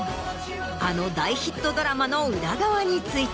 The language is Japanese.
あの大ヒットドラマの裏側について。